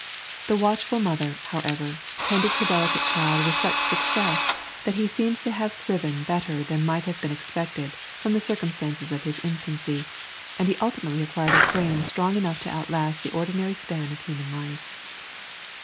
The watchful mother, however, tended her delicate child with such success that he seems to have thriven better than might have been expected from the circumstances of his infancy, and he ultimately acquired a frame strong enough to outlast the ordinary span of human life.